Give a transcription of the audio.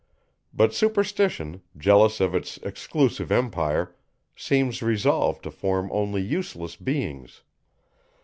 But superstition, jealous of its exclusive empire, seems resolved to form only useless beings.